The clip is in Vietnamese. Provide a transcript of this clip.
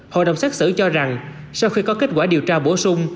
hội đồng xét xử cho rằng sau khi có kết quả điều tra bổ sung